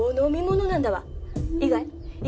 いいがい？